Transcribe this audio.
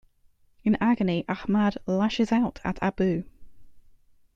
In agony, Ahmad lashes out at Abu.